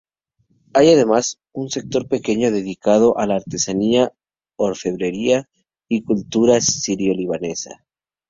Hay además un sector pequeño dedicado a la artesanía, orfebrería y cultura Sirio-Libanesa.